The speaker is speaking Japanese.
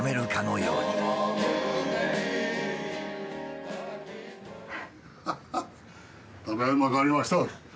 ただいま帰りました。